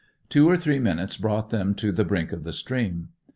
Two or three minutes brought them to the brink of the stream.